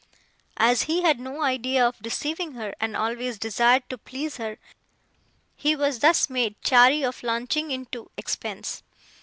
As he had no idea of deceiving her, and always desired to please her, he was thus made chary of launching into expense.